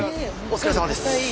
お疲れさまです。